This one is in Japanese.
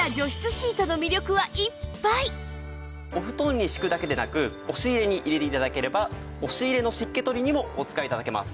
まだまだお布団に敷くだけでなく押し入れに入れて頂ければ押し入れの湿気取りにもお使い頂けます。